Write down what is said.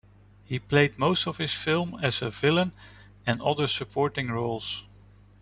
He played most of his film as a Villain and other supporting roles.